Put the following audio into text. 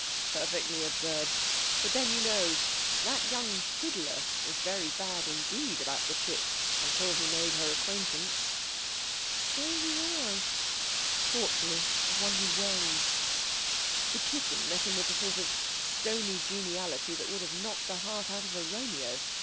"Perfectly absurd! But then, you know, that young fiddler was very bad, indeed, about the chick until he made her acquaintance." "So he was." Thoughtfully, as one who weighs. "The kitten met him with a sort of stony geniality that would have knocked the heart out of a Romeo.